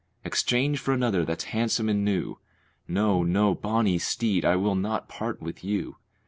Exchange for another that's handsome and new! No, no, bonnie steed, I will not part with you.